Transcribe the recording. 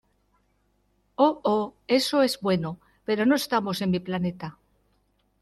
Oh. Oh, eso es bueno . pero no estamos en mi planeta .